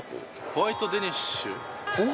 ホワイトデニッシュ？